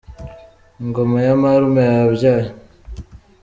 Ingoma ya marume yabyaye.